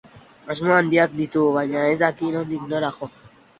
Asmo handiak ditu baina ez daki nondik nora jo.